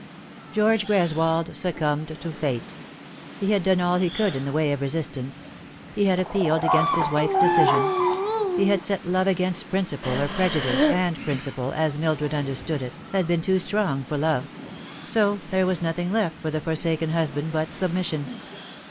GEORGE GRESWOLD succumbed to Fate. He had done all he could do in the way of resistance. He had appealed against his wife's decision ; he had set love against principle or prej u dice, and principle, as Mildred understood it, had been too strong for love ; so there was nothing left for the forsaken husband but submission.